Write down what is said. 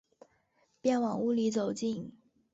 便往屋里走进